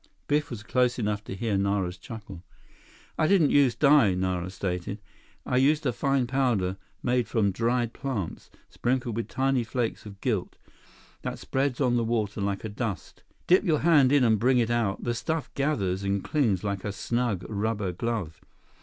Biff was close enough to hear Nara's chuckle. "I didn't use dye," Nara stated. "I used a fine powder made from dried plants, sprinkled with tiny flakes of gilt, that spreads on the water like a dust. Dip your hand in and bring it out, the stuff gathers and clings like a snug rubber glove.